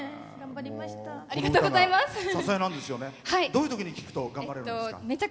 どういうときに聴くと頑張れるんですか？